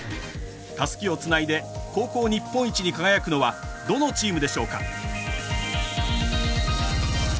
たすきをつないで、高校日本一に輝くのはどのチームでしょうか。